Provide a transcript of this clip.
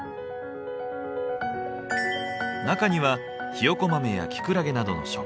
中にはひよこ豆やキクラゲなどの食材が。